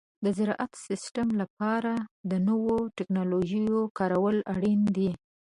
د زراعت د سیستم لپاره د نوو تکنالوژیو کارول اړین دي.